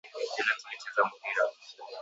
Jana tulicheza mpira .